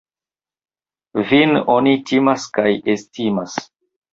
Vin oni timas kaj estimas.